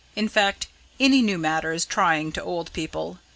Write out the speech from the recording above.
In fact, any new matter is trying to old people.